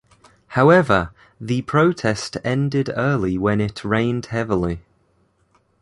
However, the protest ended early when it rained heavily.